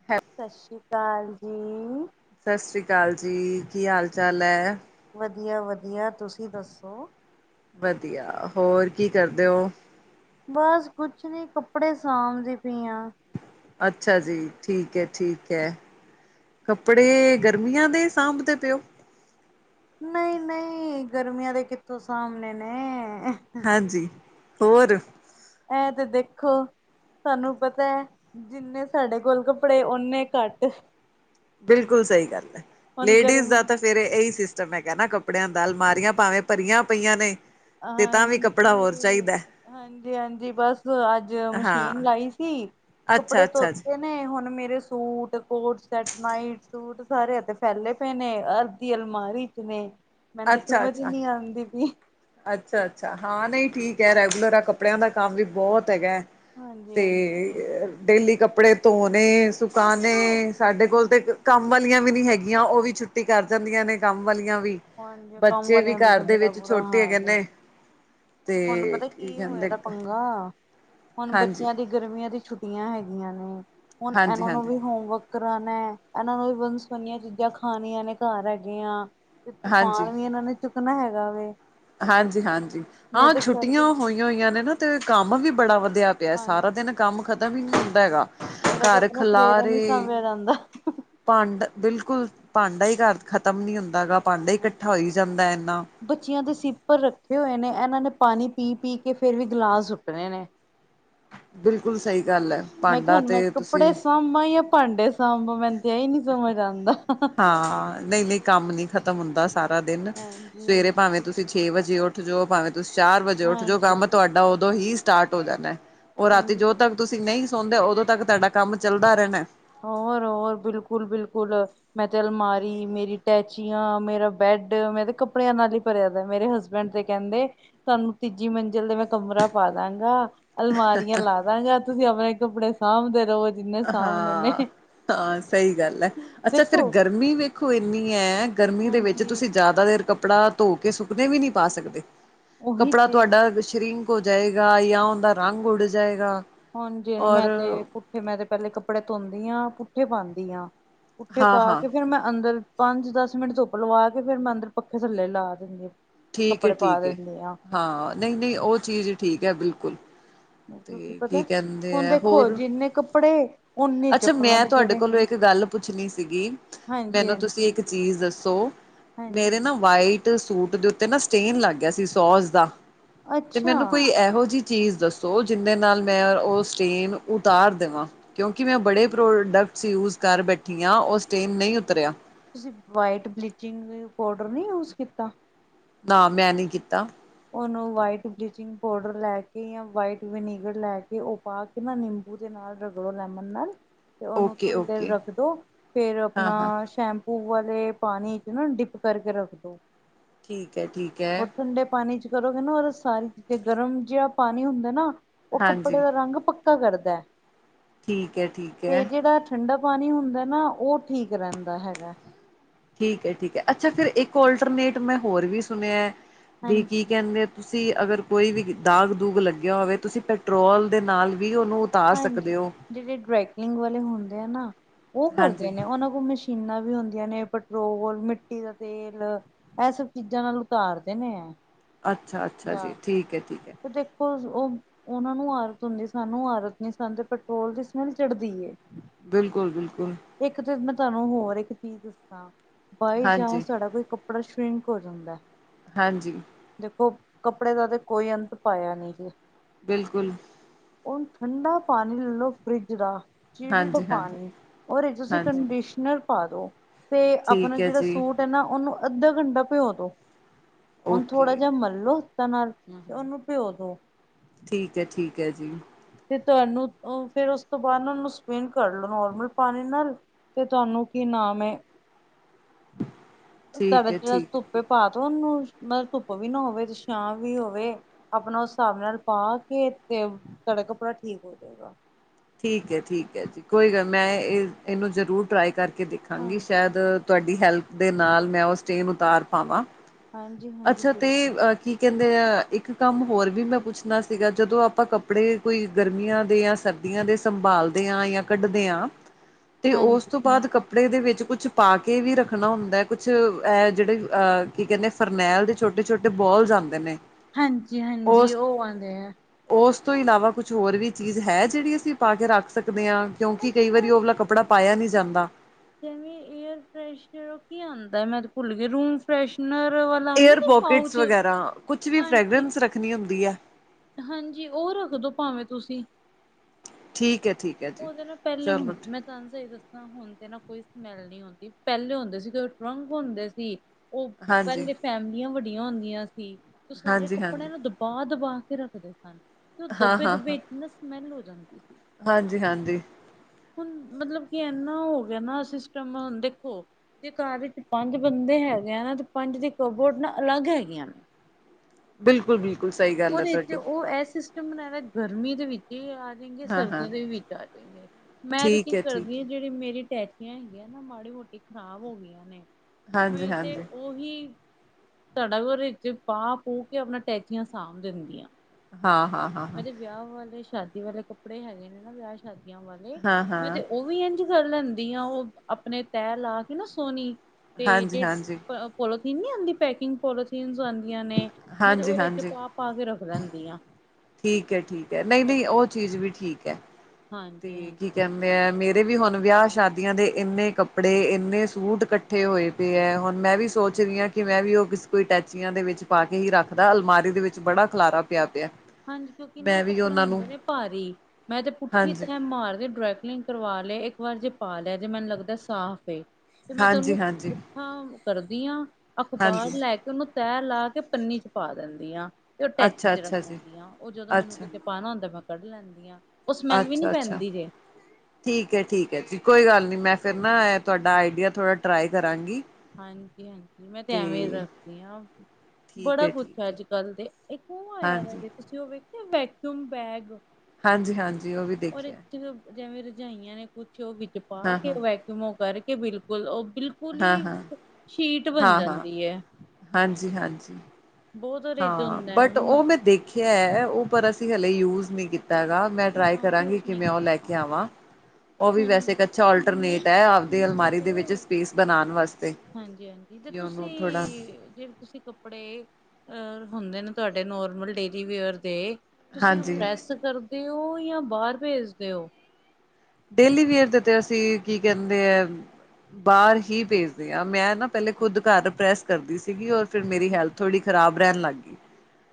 ਹੈ ਸਾਸ਼੍ਰੀ ਕਾਲ ਜੀ। ਸਾਸ੍ਰੀ ਕਾਲ ਜੀ, ਕੀ ਹਾਲ ਚਾਲ ਐ? ਵਧੀਆ-ਵਧੀਆ ਤੁਸੀਂ ਦੱਸੋ। ਵਧੀਆ ਹੋਰ ਕੀ ਕਰਦੇ ਓ। ਬਸ ਕੁਛ ਨੀ ਕੱਪੜੇ ਸਾਂਭਦੀ ਪਈ ਆਂ। ਅੱਛਾ ਜੀ ਠੀਕ ਐ ਠੀਕ ਐ। ਕੱਪੜੇ ਗਰਮੀਆਂ ਦੇ ਹੀ ਸਾਂਭਦੇ ਪਏ ਓ। ਨਈ-ਨਈ ਗਰਮੀਆਂ ਦੇ ਕਿੱਥੋਂ ਸਾਂਭਨੇ ਨੇ। ਹਾਂਜੀ ਹੋਰ ਐ ਤੇ ਦੇਖੋ ਸਾਨੂੰ ਪਤਾ ਜਿੰਨੇ ਸਾਡੇ ਕੋਲ ਕੱਪੜੇ ਉਨੇ ਘੱਟ ਬਿਲਕੁਲ ਸਈ ਗੱਲ ਐ ਹੁਣ ਲੇਡੀਜ਼ ਦਾ ਗਰਮੀ ਤਾਂ ਫਿਰ ਇਹੀ ਸਿ ਸਿਸਟਮ ਹੈਗਾ ਏ ਨਾ ਕੱਪੜਿਆਂ ਦਾ ਅਲਮਾਰੀਆਂ ਭਾਵੇਂ ਭਰੀਆਂ ਪਈਆਂ ਨੇ ਤੇ ਤਾਂ ਵੀ ਕੱਪੜਾ ਹੋਰ ਚਾਹੀਦ ਹਾਂਜੀ। ਹਾਂਜੀ-ਹਾਂਜੀ ਬਸ ਅੱਜ ਹਾਂ ਮਸ਼ੀਨ ਲਾਈ ਸੀ ਅੱਛਾ ਕੱਪੜੇ ਅੱਛਾ ਜੀ ਧੋਤੇ ਨੇ ਹੁਣ ਮੇਰੇ suit coat set night suit ਸਾਰਿਆਂ ਤੇ ਫੈਲੇ ਪਏ ਨੇ ਅਰ ਧੀ ਅਲਮਾਰੀ 'ਚ ਨੇ ਮੈਨੂੰ ਤਾਂ ਅੱਛਾ ਸਮਝ ਅੱਛਾ ਨੀ ਆਂਦੀ ਪਈ। ਅੱਛਾ-ਅੱਛਾ ਹਾਂ ਨਈ ਠੀਕ ਐ ਰੈਗੂਲਰ ਆ ਕੱਪੜਿਆਂ ਦਾ ਕੰਮ ਵੀ ਬੋਤ ਹੈਗਾ। ਤੇ ਹਾਂਜੀ-ਹਾਂਜੀ। ਅ ਡੇਲੀ ਕੱਪੜੇ ਧੋਣੇ ਸੁਕਾਣੇ ਸਾਡੇ ਕੋਲ ਤੇ ਕੰਮ ਵਾਲੀਆਂ ਵੀ ਨਈ ਹੈਗੀਆਂ ਓ ਵੀ ਛੁੱ ਛੁੱਟੀ ਕਰ ਜਾਂਦੀਆਂ ਨੇ ਕੰਮ ਵਾਲੀਆਂ ਵੀ ਹਾਂਜੀ ਹਾਂਜੀ ਕੰਮ ਬੱਚੇ ਵੀ ਵਾਲਿਆਂ ਦਾ ਘਰ ਤਾਂ ਦੇ ਬੜਾ ਵਿੱਚ ਬੁਰਾ ਛੋਟੇ ਦੇ ਗਏ ਹਾਲ ਹੈ। ਨੇ ਤੇ ਹੁਣ ਪਤਾ ਕੀ ਹੋਇਆ ਕੈਂਦੇ ਦਾ ਪੰਗਾ ਹੁਣ ਬੱਚਿਆਂ ਦੀ ਗਰਮੀਆਂ ਦੀ ਛੁੱਟੀਆਂ ਹੈਗੀਆਂ ਨੇ ਹੁਣ ਇਹਨਾਂ ਨੂੰ ਹਾਂਜੀ-ਹਾਂਜੀ, ਵੀ ਹੋਮਵਰਕ ਕਰਾਣਾ ਇਹਨਾਂ ਨੂੰ ਵੀ ਵੰਨ ਸੁਵੰਨੀਆਂ ਚੀਜ਼ਾਂ ਖਾਣੀਆਂ ਨੇ ਘਰ ਹੈਗੇ ਆ। ਤੇ ਤੂਫਾਨ ਵੀ ਇਹਨਾਂ ਨੇ ਚੁੱਕਣਾ ਹੈਗਾ ਵੇ। ਹਾਂਜੀ-ਹਾਂਜੀ ਮੇਰੇ ਹਾਂ ਤੇ ਸਿਰ ਛੁੱਟੀਆਂ ਦੀ ਹੋਈਆਂ-ਹੋਈਆਂ ਨੇ ਨਾ ਤੇ ਕੰਮ ਵੀ ਬੜਾ ਵਧਿਆ ਪਿਆ ਸਾਰਾ ਹਾਂਜੀ ਦਿਨ ਕੰਮ ਖਤਮ ਹੀ ਨਈ ਹੁੰਦ ਹੈਗਾ ਮੇਰਾ ਤੇ ਘਰ ਆਪਣਾ ਕਰੇਰਾ ਨੀ ਖਿਲਾਰੇ ਸਾਂਭਿਆ ਜਾਂਦਾ ਭਾਂਡਾ ਬਿਲਕੁਲ ਭਾਂਡਾ ਹੀ ਘਰ ਖਤਮ ਨਈ ਹੁੰਦਾ ਹੈਗਾ ਭਾਂਡਾ ਹੀ ਕੱਠਾ ਹਾਂਜੀ ਹੋਈ ਜਾਂਦਾ ਇੰਨਾ ਬੱਚਿਆਂ ਦੇ ਸੀਪਰ ਰੱਖੇ ਹੋਏ ਨੇ ਇਹਨਾਂ ਨੇ ਪਾਣੀ ਪੀ-ਪੀ ਕੇ ਫਿਰ ਵੀ ਗਿਲਾਸ ਸੁੱਟਣੇ ਨੇ। ਬਿਲਕੁਲ ਸਹੀ ਗੱਲ ਹੈ ਭਾਂਡਾ ਤੇ ਤੁਸੀਂ [unintelligible] ਆਈ ਆ ਭਾਂਡੇ ਸਾਂਭ ਮੈਨ ਤੇ ਇਹੀ ਨੀ ਸਮਝ ਆਂਦਾ। ਹਾਂ, ਨਹੀਂ ਨਹੀਂ ਕੰਮ ਨੀ ਖਤਮ ਹੁੰਦਾ ਸਾਰਾ ਦਿਨ, ਸਵੇਰੇ ਹਾਂਜੀ ਭਾਵੇ ਤੁਸੀਂ ਛੇ ਵਜੇ ਉੱਠ ਜੋ, ਭਾਵੇਂ ਤੁਸੀਂ ਚਾਰ ਵਜੇ ਉੱਠ ਜੋ ਹਾਂਜੀ ਕੰਮ ਤੁਹਾਡਾ ਉਦੋਂ ਹੀ ਸਟਾਰਟ ਹੋ ਜਾਂਨੇ। ਉਹ ਉਹੀ ਰਾਤੀ ਜਦੋਂ ਤੱਕ ਤੁਸੀਂ ਨਹੀਂ ਸੌਦੇ ਉਦੋਂ ਤੱਕ ਤੁਹਾਡਾ ਕੰਮ ਚੱਲਦਾ ਰਹਿਣੇ। ਹੋਰ ਹੋਰ, ਬਿਲਕੁਲ ਬਿਲਕੁਲ, ਮੈਂ ਤੇ ਅਲਮਾਰੀ ਮੇਰੀ ਟੈਚ ਚੀਆਂ ਮੇਰਾ ਬੈਡ, ਮੈਂ ਤੇ ਕੱਪੜਿਆਂ ਨਾਲ ਹੀ ਭਰਿਆ ਦੇ ਮੇਰੇ ਹਸਬੈਂਡ ਤੇ ਕਹਿੰਦੇ। ਤੁਹਾਨੂੰ ਤੀਜੀ ਮੰਜ਼ਿਲ ਤੇ ਮੈਂ ਕਮਰਾ ਪਾ ਦਾਂਗਾ। ਅਲਮਾਰੀਆਂ ਲਾ ਦਾਂਗਾ, ਤੁਸੀਂ ਅਪਨੇ ਕੱਪੜੇ ਸਾਂਭਦੇ ਰਹੋ ਜਿੰਨੇ ਸਾਂਭਣੇ ਨੇ। ਹਾਂ, ਹਾਂ, ਸਹੀ ਗੱਲ ਹੈ। ਅੱਛਾ ਫਿਰ ਦੇਖੋ ਗਰਮੀ ਵੇਖੋ ਏਨੀ ਹੈ ਗਰਮੀ ਦੇ ਵਿੱਚ ਹਾਂਜੀ ਤੁਸੀਂ ਜ਼ਿਆਦਾ ਦੇਰ ਕੱਪੜਾ ਧੋ ਕੇ ਸੁੱਕਨੇ ਵੀ ਨੀ ਪਾ ਸਕਦੇ, ਉਹੀ ਕੱਪੜਾ ਤੇ ਤੁਹਾਡਾ ਸ਼ਰੀ ਕੀ ਹੋ ਜਾਏਗਾ, ਯਾ ਉਹਦਾ ਰੰਗ ਉੱਡ ਜਾਏਗਾ। ਹਾਂਜੀ ਔਰ ਮੈਂ ਤੇ ਪੁੱਠੇ ਮੈਂ ਤੇ ਪੈਲੇ ਕੱਪੜੇ ਧੋਂਦੀ ਆਂ ਪੁੱਠੇ ਪਾਂਦੀ ਆਂ। ਪੁਠੇ ਪਾ ਹਾਂ-ਹਾਂ ਕੇ ਫਿਰ ਮੈਂ ਅੰਦਰ ਪੰਜ ਦਸ ਮਿੰਟ ਧੁੱਪ ਲਵਾ ਕੇ ਫਿਰ ਮੈਂ ਅੰਦਰ ਪੱਖੇ ਥੱਲੇ ਲਾ ਦਿੰਦੀ ਆਂ। ਠੀਕ ਏ ਠੀਕ ਏ ਹਾਂ ਨਈ-ਨਈ ਓ ਚੀਜ਼ ਠੀਕ ਏ ਬਿਲਕੁਲ ਕਿਉਂਕਿ ਤੇ ਪਤਾ ਕੀ ਕੈਂਦੇ ਹੁਣ ਆ ਦੇਖੋ ਹੋਰ ਜਿੰਨੇ ਕੱਪੜੇ ਓਨੇ ਅੱਛਾ ਚੱਪਲਾਂ ਮੈਂ ਦੇ ਤੁਹਾਡੇ ਜੋੜੇ ਕੋਲੋਂ ਇੱਕ ਗੱਲ ਪੁੱਛਣੀ ਸੀਗੀ ਹਾਂਜੀ ਮੈਨੂੰ ਤੁਸੀਂ ਹਾਂਜੀ ਇੱਕ ਚੀਜ਼ ਦੱਸੋ ਮੇਰੇ ਹਾਂਜੀ ਨਾ ਵਾਈਟ ਸੂਟ ਦੇ ਉੱਤੇ ਨਾ ਸਟੇਨ ਲੱਗ ਗਿਆ ਸੀ ਸੋਜ ਦਾ ਤੇ ਅੱਛਾ ਮੈਨੂੰ ਕੋਈ ਇਹੋ ਜਿਹੀ ਚੀਜ਼ ਦੱਸੋ। ਤੋ ਜਿੰਦੇ ਨਾਲ ਮੈਂ ਓ ਸਟੇਨ ਉਤਾਰ ਦੇਵਾਂ। ਕਿਉਂਕਿ ਮੈਂ ਬੜੇ ਪ੍ਰੋਡਕਟਸ ਯੂਜ ਕਰ ਬੈਠੀ ਹਾਂ ਓ ਸਟੇਮ ਨਈ ਉਤਰਿਆਂ। ਤੁਸੀਂ ਵਾਈਟ ਬਲੀਚਿੰਗ ਪਾਊਡਰ ਨਈ ਯੂਜ ਕੀਤਾ। ਨਾਂ, ਮੈਂ ਨੀਂ ਕੀਤਾ। ਉਹਨੂੰ ਵਾਈਟ ਬਲੀਚਿੰਗ ਪੋਡਰ ਲੈ ਕੇ ਜਾਂ ਵਾਈਟ ਵਿਨੀੇਗਰ ਲੈ ਕੇ ਉਹ ਪਾ ਕੇ ਨਾ ਨਿੰਬੂ ਦੇ ਨਾਲ ਰਗੜੋ, ਲੈਮਨ ਨਾਲ। ਤੇ ਉਹਨੂੰ ਓਕੇ ਥੋੜ੍ਹੀ ਦੇਰ ਓਕੇ ਰੱਖ ਦੋ, ਫਿਰ ਹਾਂ ਹਾਂ ਆਪਣਾ ਸ਼ੈਂਪ ਪੂ ਵਾਲੇ ਪਾਣੀ ਚ ਨਾ ਡਿਪ ਕਰਕੇ ਰੱਖ ਦੋ। ਠੀਕ ਹੈ, ਠੀਕ ਹੈ। ਪਾਨੀ ਚ ਕਰੋਗੇ ਨਾ ਉਹਦਾ ਸਾਰੀ ਚੀਜ਼ ਗਰਮ ਜਿਹਾ ਪਾਨੀ ਹੁੰਦੈ ਨਾ, ਉਹ ਕੱਪੜੇ ਹਾਂਜੀ ਦਾ ਰੰਗ ਪੱਕ ਕਾ ਕਰਦੈ ਠੀਕ ਹੈ ਠੀਕ ਤੇ ਹੈ ਜਿਹੜਾ ਠੰਡਾ ਪਾਨੀ ਹੁੰਦੈ ਨਾ, ਉਹ ਠੀਕ ਰਹਿੰਦਾ ਹੈਗਾ। ਠੀਕ ਹੈ, ਠੀਕ ਹੈ। ਅੱਛਾ, ਫਿਰ ਇੱਕ ਓਲਟਰਨੇਟ ਮੈਂ ਹੋਰ ਵੀ ਸੁਣਿਐ, ਬਈ ਕੀ ਹਾਂਜੀ ਕਹਿੰਦੇ ਤੁਸੀ, ਅਗਰ ਕੋਈ ਵੀ ਦਾਗ ਦੂਗ ਲੱਗਿਆ ਹੋਵੇ, ਤੁਸੀਂ ਪੈਟਰੋਲ ਦੇ ਨਾਲ ਵੀ ਉਹਨੂੰ ਉਤਾਰ ਹਾਂਜੀ, ਸਕਦੇ ਹੋ ਜਿਹੜੇ ਡਰੈਕਲਿੰਗ ਵਾਲੇ ਹੁੰਦੇ ਐ ਨਾ, ਉਹ ਕਰਦੇ ਹਾਂਜੀ ਨੇ, ਉਹਨਾਂ ਕੋਲ ਮਸ਼ੀਨ ਮਸ਼ੀਨਾਂ ਵੀ ਹੁੰਦੀਆਂ ਨੇ, ਪਟਰੋਲ, ਮਿੱਟੀ ਦਾ ਤੇਲ ਇਹ ਸਭ ਚੀਜ਼ਾਂ ਨਾਲ ਉਤਾਰਦੇਣੇ ਇਹ ਅੱਛਾ-ਅੱਛਾ ਜੀ, ਠੀਕ ਹੈ, ਠੀਕ ਹੈ। ਬਸ, ਉਹ ਉਹਨਾ ਨੂੰ ਆਦਤ ਹੁੰਦੀ, ਸਾਨੂੰ ਆਦਤ ਨੀ ਸਾਨ ਤੇ ਪੈਟਰੋਲ ਦੀ ਸਮੈਲ ਚੜਦੀ ਏ। ਬਿਲਕੁਲ, ਬਿਲਕੁਲ। ਇੱਕ ਤੇ ਮੈਂ ਤੁਹਾਨੂੰ ਹੋਰ ਇੱਕ ਚੀਜ਼ ਦੱਸਾਂ, ਬਾਈ ਹਾਂਜੀ ਚਾਂਸ ਤੁਹਾਡਾ ਕੋਈ ਕੱਪੜਾ ਬੜਾ ਸ਼੍ਰਿੰਕ ਹੋ ਜਾਂਦੈ ਹਾਂਜੀ। ਦੇਖੋ, ਕੱਪੜੇ ਦਾ ਤੇ ਕੋਈ ਅੰਤ ਪਾਇਆ ਨਹੀਂ। ਬਿਲਕੁਲ। ਔ ਠੰਡਾ ਪਾਨੀ ਲਲੋ, ਫਰਿੱਜ ਦਾ ਚਿਲਡ ਹਾਂਜੀ ਹਾਂਜੀ ਪਾਨੀ, ਉਰੇ 'ਚ ਤੁਸੀਂ ਹਾਂਜੀ ਕੰਡੀਸ਼ਨਰ ਪਾਦੋ ਤੇ ਆਪਣਾ ਠੀਕ ਹੈ ਜੇੜਾ ਜੀ ਸੂਟ ਤੇ ਨਾ ਓਨੂੰ ਅੱਧਾ ਘੰਟਾ ਭਿਓ ਦੋ ਔਨ ਥੋੜਾ ਓਕੇ ਜਾ ਮੱਲੋ ਹੱਤਾਂ ਨਾਲ ਤੇ ਉਹਨੂੰ ਭਿਓ ਦੋ ਠੀਕ ਐ, ਠੀਕ ਐ ਜੀ ਤੇ ਤੁਆਨੂੰ ਓ ਫੇਰ ਉਸ ਤੋਂ ਬਾਦ ਨਾ ਉਨੂੰ ਸਪਿੰਨ ਕਰ ਲਓ ਨੋਰਮਲ ਪਾਨੀ ਨਾਲ ਤੇ ਤੁਆਨੂੰ ਕੀ ਨਾਮ ਏ ਠੀਕ ਹੈ [unintelligible] ਠੀਕ ਧੁੱਪੇ ਪਾ ਦੋ ਉਨੂੰ ਨਾਲ ਧੁੱਪ ਵੀ ਨਾ ਹੋਵੇ ਤੇ ਛਾਹ ਵੀ ਹੋਵੇ ਆਪਣਾ ਉਸ ਹਿਸਾਬ ਨਾਲ ਪਾ ਕੇ ਤੇ ਤਾਡਾ ਕੱਪੜਾ ਠੀਕ ਹੋ ਜਾਏਗਾ। ਠੀਕ ਹੈ ਠੀਕ ਹੈ ਜੀ ਕੋਈ ਗੱਲ ਮੈਂ ਇਹ ਇਹਨੂੰ ਜ਼ਰੂਰ ਟਰਾਈ ਕਰਕੇ ਹਾਂ ਦੇਖਾਂਗੀ ਸ਼ਾਇਦ ਤੁਹਾਡੀ ਹੈਲਪ ਦੇ ਨਾਲ ਮੈਂ ਓ ਸਟੇਨ ਉਤਾਰ ਪਾਵਾਂ। ਹਾਂਜੀ-ਹਾਂਜੀ, ਅੱਛਾ ਤੇ ਬਿਲਕੁਲ। ਕੀ ਕਹਿੰਦੇ ਇੱਕ ਕੰਮ ਹੋਰ ਵੀ ਮੈਂ ਪੁੱਛਨਾ ਸੀਗਾ ਜਦੋਂ ਆਪਾਂ ਕੱਪੜੇ ਕੋਈ ਗਰਮੀਆਂ ਦੇ ਯਾ ਸਰਦੀਆਂ ਦੇ ਸੰਭਾਲਦੇ ਹਾਂ ਯਾ ਕੱਢਦੇ ਹਾਂ ਤੇ ਉਸ ਹਾਂਜੀ ਤੋਂ ਬਾਅਦ ਕੱਪੜੇ ਕੱਪੜੇ ਦੇ ਵਿੱਚ ਕੁਛ ਪਾ ਕੇ ਵੀ ਰੱਖਣਾ ਹੁੰਦਾ ਹੈ ਕੁਛ, ਇਹ ਜਿਹੜੇ ਅਹ ਕੀ ਕਹਿੰਦੇ ਫਰਨੈਲ ਦੇ ਛੋਟੇ-ਛੋਟੇ ਬੋਲਸ ਆਦੇ ਨੇ ਹਾਂਜੀ - ਹਾਂਜੀ, ਉਹ ਆਂਦੇ ਐ। ਓਸ ਤੋਂ ਇਲਾਵਾ ਕੁਛ ਹੋਰ ਵੀ ਚੀਜ਼ ਹੈ ਜਿਹੜੀ ਅਸੀਂ ਪਾ ਕੇ ਰੱਖ ਸਕਦੇ ਹਾਂ? ਕਿਉਂਕਿ ਅੱਜ ਕਈ ਵਾਰੀ ਉਹ ਵਾਲਾ ਕੱਪੜਾ ਪਾਇਆ ਨਹੀਂ ਜਾਂਦਾ। ਜੈਵੇ ਏਅਰ ਫਰੈਸ਼ਨਰ, ਊਹ ਕੀ ਆਂਦਾ ਹੈ ਮੈਂ ਤੇ ਭੁੱਲ ਗਈ, ਰੂਮ ਫਰੈਸ਼ਨਰ ਵਾਲਾ ਆਂਦੇ ਏਅਰ ਨੀ ਪੋਕਟਸ ਪਾਊਚ ਹਾਂਜੀ। ਕਿੰਨੀ ਹੁੰਦੀ ਆ? ਹਾਂਜੀ, ਉਹ ਰੱਖਦੋ ਭਾਵੇਂ, ਤੁਸੀਂ। ਠੀਕ ਹੈ, ਠੀਕ ਹੈ ਜੀ ਉਹਦੇ ਨਾਲ ਪਹਿਲੇ ਚਲੋ ਹੁੰਦੇ ਮੈਂ ਤਾਨ ਸਈ ਦੱਸਾਂ ਹੁਣ ਤੇ ਨਾ ਕੋਈ ਸਮੈਲ ਨੀ ਹੂੰਦੀ, ਪੈਲੇ ਹੁੰਦੇ ਸੀ, ਜਦੋਂ ਟਰੱਕ ਹੁੰਦੇ ਸੀ। ਉਹ ਹਾਂਜੀ ਪੈਲੇ ਫੈਮਲੀਆਂ ਵੱਡੀਆਂ ਹੁੰਦੀਆਂ ਸੀ ਤੇ ਸਾਰੇ ਹਾਂਜੀ ਕੱਪੜਿਆਂ ਹਾਂਜੀ ਨੂੰ ਦਬ ਦਬਾ-ਦਬਾ ਕੇ ਰੱਖਦੇ ਸਨ, ਤੇ ਉਹ ਹਾਂ ਦੱਬੇ-ਦੱਬੇ ਇੱਕ ਨਾ ਸਮੈਲ ਹੋ ਜਾਂਦੀ ਸੀ। ਹਾਂਜੀ-ਹਾਂਜੀ। ਹੁਨ ਮਤਲਬ ਕਿ ਐਨਾ ਹੋ ਗਿਆ ਨਾ ਸਿਸਟਮ ਦੇਖੋ ਜੇ ਘਰ ਇਚ ਪੰਜ ਬੰਦੇ ਹੈਗੇ ਆ ਨਾ ਤੇ ਪੰਜ ਦੇ ਕਬੋਰਡ ਨਾ ਅਲੱਗ ਹੈਗੀਆਂ ਨੇ ਬਿਲਕੁਲ-ਬਿਲਕਲ ਉਦੇ ਚ ਉਹ ਏ ਸਿਸਟਮ ਬਨਾਇਆ ਦਾ ਗਰਮੀ ਦੇ ਵਿੱਚ ਈ ਆ ਜਾਏਗੇ ਹਾਂ ਹਾਂ ਸਰਦੀਆਂ ਦੇ ਵਿੱਚ ਆ ਜਾਏਗੇ। ਮੈਂ ਤੇ ਕੀ ਠੀਕ ਹੈ ਕਰਦੀ ਠੀਕ ਆ ਹੈ ਜੇੜੀ ਮੇਰੀ ਟੇਚੀਆਂ ਹੈਗੀਆਂ ਨਾ ਮਾੜੀ ਮੋਟੀ ਖਰਾਬ ਹੋ ਗਈਆਂ ਨੇ, ਹਾਂਜੀ ਮੈਂ ਤੇ ਹਾਂਜੀ ਓ ਉਹੀ [unintelligible] ਚ ਪਾ ਪੂ ਕੇ ਆਪਣਾ ਟੈਚੀਆਂ ਸਾਂਭ ਦਿੰਦੀ ਆਂ। ਹਾਂ, ਹਾਂ, ਹਾਂ ਮੈਂ ਤੇ ਹਾਂ ਵਿਆ ਵਾਲੇ ਸ਼ਾਦੀ ਵਾਲੇ ਕੱਪੜੇ ਹੈਗੇ ਨੇ ਨਾ ਵਿਆਹ ਸ਼ਾਦੀਆਂ ਵਾਲੇ ਹਾਂ ਮੈਂ ਹਾਂ ਤੇ ਉ ਈ ਇੰਝ ਕਰ ਲੈਂਦੀ ਆ ਉਹ ਆਪਣੇ ਤੈਅ ਲਾ ਕੇ ਨਾ ਸੋਣੀ ਤੇ ਹਾਂਜੀ ਜੇ ਹਾਂਜੀ ਪ ਅ ਪੋਲੋਥੀਨ ਨੀ ਆਂਦੀ ਪੈਕਿੰਗ ਪੋਲੋਥੀਨਜ਼ ਆਂਦੀਆਂ ਨੇ ਮੈਂ ਤੇ ਹਾਂਜੀ ਉਦੇ 'ਚ ਹਾਂਜੀ ਪਾ ਪਾ ਕੇ ਰੱਖ ਲੈਂਦੀ ਆ। ਠੀਕ ਏ, ਠੀਕ ਏ, ਨਈ-ਨਈ ਓ ਚੀਜ਼ ਵੀ ਠੀਕ ਐ। ਤੇ ਹਾਂਜੀ ਕੀ ਹਾਂਜੀ ਕੈਦੇ ਆ ਮੇਰੇ ਵੀ ਹੁਣ ਵਿਆਹ ਸ਼ਾਦੀਆਂ ਦੇ ਇੰਨੇ ਕੱਪੜੇ ਇੰਨੇ ਸੂਟ ਕੱ ਠੇ ਹੋਏ ਪੇ ਐ ਹੁਣ ਮੈਂ ਵੀ ਸੋਚ ਹਾਂਜੀ ਰੀਆਂ ਕਿ ਮੈਂ ਵੀ ਉ ਕਿਸ ਕੋਈ ਟੈਚੀਆਂ ਦੇ ਵਿੱਚ ਪਾ ਕੇ ਹੀ ਰੱਖਦਾ ਅਲਮਾਰੀ ਦੇ ਵਿੱਚ ਬੜਾ ਖਲਾਰਾ ਪਿਆ ਪਿਆ ਹਾਂਜੀ ਕਿਉਂਕਿ ਨਾ ਉ ਮੈਂ ਵੀ ਕੱਪੜੇ ਉਹਨਾਂ ਨੂੰ ਹੁੰਦੇ ਨੇ ਭਾਰੀ ਮੈਂ ਤੇ ਪੁੱਠੀ ਹਾਂਜੀ ਤੇੈ ਮਾਰਦੇ ਡਰੈਕਲਿਨ ਕਰਵਾ ਲੇ ਇੱਕ ਵਾਰ ਜੇ ਪਾ ਲੇ ਜੇ ਮੈਨੂੰ ਲੱਗਦਾ ਸਾਫ਼ ਏ ਤੇ ਮੈਂ ਤੇ ਹਾਂਜੀ ਓਨੁ ਹਾਂਜੀ ਹਾਂ ਕਰਦੀ ਆਂ ਅਖ਼ਬਾਰ ਹਾਂਜੀ ਲੈ ਕੇ ਉਨੂੰ ਤੈ ਲਾ ਕੇ ਪੰਨੀ ਚ ਪਾ ਦਿੰਦੀ ਆਂ ਫੇਰ ਟੈਚੀ ਅੱਛਾ 'ਚ ਰੱਖ ਅੱਛਾ ਜੀ ਲੈਂਦੀ ਆ ਓ ਜਦੋਂ ਮੈਨੂੰ ਅੱਛਾ ਕਿਤੇ ਪਾਣਾ ਹੁੰਦਾ ਮੈਂ ਕੱਢ ਲੈਂਦੀ ਆ। ਅੱਛਾ-ਅੱਛਾ ਠੀਕ ਏ, ਠੀਕ ਏ ਜੀ ਕੋਈ ਗੱਲ ਨੀ ਮੈਂ ਫੇਰ ਨਾ ਤੁਆਡਾ ਆਈਡੀਆ ਥੋੜਾ ਟਰਾਈ ਕਰਾਂਗੀ ਹਾਂਜੀ ਹਾਂਜੀ ਮੈਂ ਤੇ ਐਵੇਂ ਰੱਖਦੀ ਆ। ਠੀਕ ਬੜਾ ਹੈ ਕੁੱਛ ਐ ਠੀਕ ਹੈ ਅੱਜ ਕੱਲ ਦੇ ਇੱਕ ਆਇਆ ਵਾ ਹਾਂਜੀ ਜੇ ਤੁਸੀਂ ਉਹ ਵੇਖਿਆ ਵੈਕਊਮ ਬੈਗ। ਹਾਂਜੀ ਹਾਂਜੀ ਓ ਵੀ ਔਰ ਦੇਖਿਆ। ਇੱਥੇ ਤਾਂ ਜਿਵੇਂ ਰਜਾਈਆਂ ਨੇ ਕੁਛ ਵਿੱਚ ਪਾ ਹਾਂ ਕੇ ਹਾਂ ਵੈਕਮ ਕਰਕੇ ਬਿਲਕੁਲ ਓ ਬਿਲਕੁਲ ਹਾਂ ਈ ਹਾਂ ਸ਼ੀਟ ਬਣ ਹਾਂ-ਹਾਂ, ਜਾਂਦੀ ਏ। ਹਾਂਜੀ-ਹਾਂਜੀ। ਹਾਂ ਬਟ ਓ ਮੈਂ ਦੇਖਿਆ ਐ ਉਹ ਪਰ ਅਸੀਂ ਹਲੇ ਯੂਜ ਨੀ ਕੀਤਾ ਹੈਗਾ। ਮੈਂ ਟਰਾਈ ਆਪ ਕਰਾਂਗੀ ਯੂਜ ਕਿ ਨਹੀਂ ਮੈਂ ਓ ਲੈ ਕੀਤਾ ਕੇ ਆਵਾਂ ਉਹ ਵੀ ਹੁਣ ਵੈਸੇ ਕ ਅੱਛਾ ਆਲਟਰਨੇਟ ਐ ਆਪਦੇ ਅਲਮਾਰੀ ਦੇ ਵਿੱਚ ਸਪੇਸ ਬਣਾਣ ਵਾਸਤੇ। ਹਾਂਜੀ ਹਾਂਜੀ ਤੇ ਕਿ ਉਹਨੂੰ ਥੋੜਾ ਤੁਸੀਂ ਜੇ ਤੁਸੀਂ ਕੱਪੜੇ ਅ ਹੁੰਦੇ ਨੇ ਤੁਆਡੇ ਨੋਰਮਲ ਡੇਲੀਵੇਅਰ ਦੇ ਤੁਸੀਂ ਓ ਹਾਂਜੀ, ਪ੍ਰੈੱਸ ਕਰਦੇ ਓਂ ਜਾ ਬਾਰ ਪੇਜਦੇ ਔ? ਡੇਲੀ ਵੀਅਰ ਦੇ ਤੇ ਅਸੀਂ ਕੀ ਕੇਂਦੇ ਐ ਬਾਰ ਹੀ ਭੇਜਦੀ ਆ ਮੈਂ ਨਾ ਪੈਲੇ ਖੁਦ ਘਰ ਪ੍ਰੈਸ ਕਰਦੀ ਸੀਗੀ ਔਰ ਫਿਰ ਮੇਰੀ ਹੈਲਥ ਥੋੜ੍ਹੀ ਖ਼ਰਾਬ ਰੈਨ ਲੱਗ ਗੀ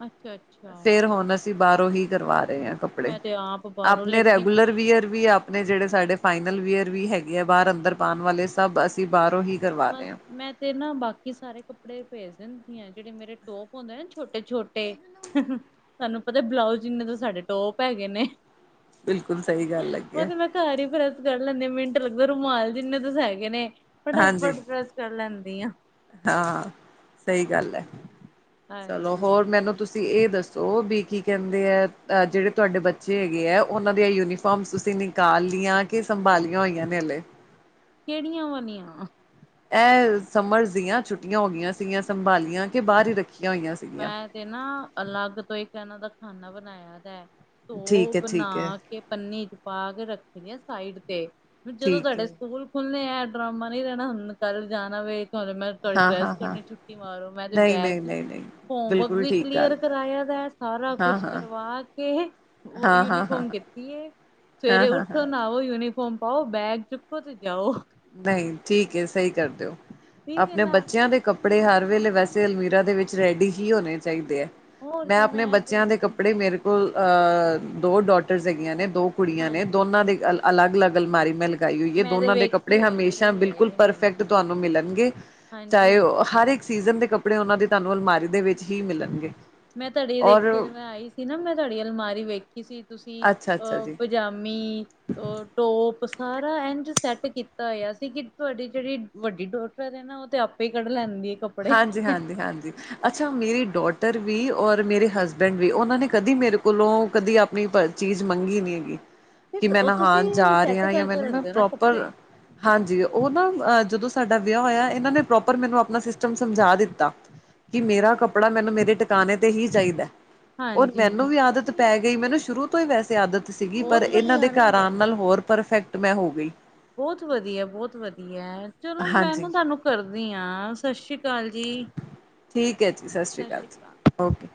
ਅੱਛਾ ਫੇਰ ਅੱਛਾ ਹੁਣ ਅਸੀ ਬਾਰੋਂ ਹੀ ਕਰਵਾ ਰਹੇ ਆਂ ਕੱਪੜੇ ਮੈਂ ਤੇ ਆਪ ਬਾਹਰੋਂ ਆਪਣੇ ਲੇਕਿਨ ਰੈਗੂਲਰ ਨਹੀਂ ਵੀਅਰ ਵੀ ਆਪ ਆਪਣੇ ਜੇੜੇ ਸਾਡੇ ਫਾਈਨਲ ਵੀਅਰ ਵੀ ਹੈਗੇ ਆ ਬਾਰ ਅੰਦਰ ਪਾਣ ਵਾਲੇ ਸਭ ਅਸੀਂ ਬਾਰੋਂ ਈ ਕਰਵਾ ਬਸ ਰਹੇ ਆਂ ਮੈਂ ਤੇ ਨਾ ਬਾਕੀ ਸਾਰੇ ਕੱਪੜੇ ਪੇਜ ਦੇਂਦੀ ਆ, ਜੇੜੇ ਮੇਰੇ ਟੋਪ ਹੁੰਦੇ ਨਾ ਛੋਟੇ-ਛੋਟੇ ਤੁਆਨੂੰ ਪਤਾ ਏ ਬਲਾਊਜ ਇੰਨੇ ਤੇ ਸਾਡੇ ਟੋਪ ਹੈਗੇ ਨੇ ਬਿਲਕੁਲ, ਸਈ ਗੱਲ ਹੈੱਗੀ ਉਹ ਏ। ਤੇ ਮੈਂ ਘਰ ਈ ਪ੍ਰੈਸ ਕਰ ਲੈਂਦੇ ਮਿੰਟ ਲੱਗਦਾ ਰੁਮਾਲ ਜਿੰਨੇ ਤਾ ਹੈਗੇ ਨੇ ਫਟਾ ਹਾਂਜੀ ਫਟ ਪ੍ਰੈਸ ਕਰ ਲੈਂਦੀ ਆ। ਹਾਂ ਸਈ ਗੱਲ ਐ, ਚਲੋ ਹਾਂਜੀ ਹੋਰ ਮੈਨੂੰ ਤੁਸੀਂ ਤੁਸੀਂ ਏ ਦੱਸੋ ਵੀ ਕੀ ਕੇਂਦੇ ਅ ਜੇੜੇ ਤੁਆਡੇ ਬੱਚੇ ਹੈਗੇ ਏ ਉਨਾਂ ਦੀਆਂ ਯੂਨੀਫਾਰਮਸ ਤੁਸੀਂ ਨੀ ਕਾਲੀਆਂ ਕਿ ਸੰਭਾਲੀਆਂ ਹੋਈਆਂ ਨੇ ਹਲੇ ਕੇੜੀਆਂ ਵਾਲੀਆਂ? ਐਹ ਸਮਰਸ ਦੀਆਂ ਛੁੱਟੀਆਂ ਹੋ ਗਈਆਂ ਸੀਗੀਆਂ ਸੰਭਾਲੀਆਂ ਕੇ ਬਾਰ ਈ ਰੱਖੀਆਂ ਹੋਈਆਂ ਸੀ। ਮੈਂ ਤੇ ਨਾ ਅਲੱਗ ਤੋਂ ਇੱਕ ਇਨਾਂ ਦਾ ਖਾਨਾ ਬਣਾਇਆ ਤਾਂ ਠੀਕ ਹੈ ਧੋ-ਬਣਾ ਠੀਕ ਹੈ ਕੇ ਪੰਨੀ ਚ ਪਾ ਕੇ ਰੱਖੀਦੀ ਆ ਸਾਈਡ ਤੇ। ਹੁਣ ਜਦੋਂ ਠੀਕ ਤੁਆਡੇ ਹੈ ਸਕੂਲ ਖੁੱਲਨੇ ਐ ਡਰਾਮਾ ਨਈ ਰੈਣਾ ਹੁਣ ਕੱਲ ਜਾਣਾ ਵੇ। ਕੱਲ ਮੈਂ ਤੁਆਡੀ ਹਾਂ ਡਰੈਸ ਹਾਂ ਹਾਂ ਕੱਢਣੀ ਛੁੱਟੀ ਮਾਰੋ ਮੈਂ ਤੇ ਨਹੀਂ ਨਹੀਂ ਬੈਗ ਈ ਨਹੀਂ ਨਹੀਂ ਹੋਮਵਰਕ ਬਿਲਕੁਲ ਵੀ ਠੀਕ ਗੱਲ ਕਲੀਅਰ ਕਰਾਇਆ ਦੈ ਸਾਰਾ ਹਾਂ ਕੁਛ ਹਾਂ ਕਰਵਾ ਕੇ ਔ ਹਾਂ ਹਾਂ ਹਾਂ ਯੂਨੀਫੋਮ ਕੀਤੀ ਏ ਹਾਂ ਸਵੇਰੇ ਹਾਂ ਹਾਂ ਉੱਠੋ ਨਾ ਔ, ਯੂਨੀਫੋਮ ਪਾਔ, ਬੈਗ ਚੁੱਕੋ ਤੇ ਜਾਔ। ਨਈ ਠੀਕ ਏ ਸਈ ਕਰ ਦੇ ਔ। ਠੀਕ ਐ ਆਪਣੇ ਨਾ। ਬੱਚਿਆਂ ਦੇ ਕੱਪੜੇ ਹਰ ਵੇਲੇ ਵੈਸੇ ਚ ਅਲਮੀਰਾ ਦੇ ਵਿੱਚ ਰੈਡੀ ਹੀ ਹੋਣੇ ਚਾਈ ਦੇ ਐ। ਹੋਰ ਮੈਂ ਕੀ ਆਪਣੇ ਤੇ ਬੱਚਿਆਂ ਦੇ ਕੱਪੜੇ ਮੇਰੇ ਲ ਅ ਦੋ ਡੋਟਰਸ ਹੈਗੀਆਂ ਨੇ, ਦੋ ਕੁੜੀਆਂ ਨੇ। ਦੋਨਾਂ ਹਾਂਜੀ ਦੀ ਅਲੱਗ-ਅਲੱਗ ਅਲਮਾਰੀ ਮੈਂ ਗਾਈ ਹੋਈ ਏ, ਮੈਂ ਤੇ ਦੋਨਾਂ ਦੇ ਕੱਪ ੜੇ ਵੇਖੀ ਹੋਈ ਹਮੇਸ਼ਾ ਬਿਲਕੁਲ ਏ ਪਰਫੈਕਟ ਹਾਂਜੀ, ਤੁਆਨੂੰ ਮਿਲਣਗੇ ਹਾਂਜੀ, ਚਾਏ ਔ ਹਰ ਹਾਂਜੀ। ਇੱਕ ਸੀਜ਼ਨ ਦੇ ਕੱਪੜੇ ਔਨਾਂ ਦੀ ਤੁਆਨੂੰ ਅਲਮਾਰੀ ਦੇ ਵਿੱਚ ਹੀ ਮਿਲਣਗੇ। ਮੈਂ ਤੁਆਡੀ ਦੇਖੀ ਔਰ ਸੀ, ਮੈਂ ਆਈ ਸੀ ਨਾ ਮੈਂ ਤੁਆਡੀ ਅਲਮਾਰੀ ਵੇਖੀ ਸੀ, ਤੁਸੀ ਅੱਛਾ-ਅੱਛਾ ਅ ਜੀ। ਪਜਾਮੀ ਔਰ ਟੋਪ ਸਾਰਾ ਇੰਝ ਸੈੱਟ ਕੀਤਾ ਹੋਇਆ ਸੀ ਕਿ ਤੁਆਡੀ ਜੜੀ ਵੱਡੀ ਡੋਟਰ ਏ ਨਾ ਔ ਤੇ ਆਪੇ ਈ ਕੱਢ ਲੈਂਦੀ। ਕੱਪੜੇ। ਹਾਂਜੀ, ਹਾਂਜੀ, ਹਾਂਜੀ। ਅੱਛਾ, ਮੇਰੀ ਡੋਟਰ ਵੀ ਔਰ ਮੇਰੇ ਹਸਬੈਂਡ ਵੀ ਔਨਾਂ ਨੇ ਕਦੀ ਮੇਰੇ ਕੋਲੋਂ ਕਦੀ ਅਪ ਣੀ ਪ ਚੀਜ਼ ਮੰਗੀ ਨੀ ਹੈਗੀ ਕਿ ਮੈਂ ਉਹ ਨਾਹਾਨ ਤੁਸੀਂ ਜਾ ਸੈੱਟ ਰਿਹਾ ਯਾਂ ਕਰਕੇ ਮੈਨੂੰ ਨਾ ਰੱਖਦੇ ਹੋ ਕੱਪੜੇ ਪ੍ਰੋਪਰ ਹਾਂਜੀ ਔ ਨਾ ਅ ਜਦੋਂ ਸਾਡਾ ਵਿਆ ਹੋਇਐ ਏਨਾਂ ਨੇ ਪ੍ਰੋਪਰ ਮੈਨੂੰ ਆਪਣਾ ਸਿਸ ਟਮ ਸਮਝਾ ਦਿੱਤਾ ਕਿ ਮੇਰਾ ਕੱਪੜਾ ਮੈਨੂੰ ਮੇਰੇ ਟਿਕਾਣੇ ਤੇ ਹੀ ਚਾਈਦੈ। ਔਰ ਹਾਂਜੀ, ਮੈਨੂੰ ਵੀ ਹਾਂਜੀ ਆਦਤ ਪੈ ਤੁਸੀਂ ਗਈ। ਮੈਨੂੰ ਸ਼ੁਰੂ ਤੋਂ ਈ ਵੈਸੇ ਆਦਤ ਸੀਗੀ ਪਰ ਬਹੁਤ ਏਨਾਂ ਦੇ ਵਧੀਆ ਘਰ ਆਣ ਨਾਲ ਹੋਰ ਪਰਫੈਕ ਟ ਮੈਂ ਹੋ ਗਈ। ਬੋਤ ਵਧੀਐ, ਬੋਤ ਵਧੀਐ ਚਲੋ ਮੈਂ ਨਾ ਹਾਂਜੀ। ਤੁਆਨੂੰ ਕਰਦੀ ਆਂ ਸਸ ਸ੍ਰੀ ਕਾਲ ਜੀ। ਸਸ ਸ਼੍ਰੀ ਕਾਲ। ਔਕੇ।